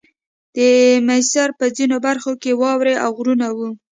د مسیر په ځینو برخو کې واورې او غرونه وو